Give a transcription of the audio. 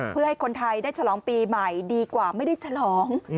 เพื่อให้คนไทยได้ฉลองปีใหม่ดีกว่าไม่ได้ฉลอง